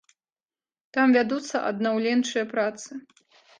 Там вядуцца аднаўленчыя працы.